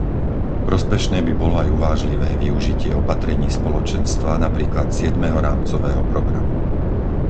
Prospešné by bolo aj uvážlivé využitie opatrení spoločenstva, napríklad siedmeho rámcového programu.